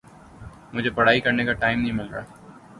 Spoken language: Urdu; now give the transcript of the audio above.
مجھے پڑھائی کرنے کا ٹائم نہیں مل رہا